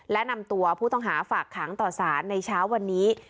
และนำตัวผู้ต้องหาฝากขังต่อสารในเช้าวันนี้